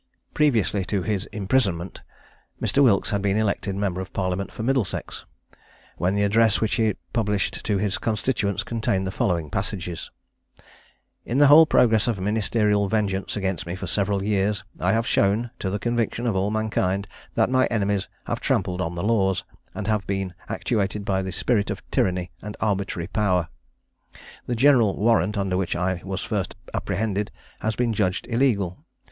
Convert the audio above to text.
Previously to his imprisonment Mr. Wilkes had been elected member of parliament for Middlesex, when the address which he published to his constituents contained the following passages: "In the whole progress of ministerial vengeance against me for several years, I have shown, to the conviction of all mankind, that my enemies have trampled on the laws, and have been actuated by the spirit of tyranny and arbitrary power. "The general warrant under which I was first apprehended has been adjudged illegal.